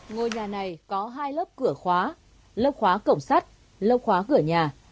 ngôi nhà này có hai lớp cửa khóa lớp khóa cổng sắt lâu khóa cửa nhà